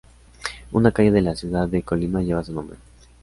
Una calle de la ciudad de Colima lleva su nombre.